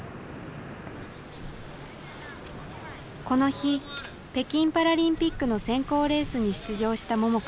この日北京パラリンピックの選考レースに出場した桃佳。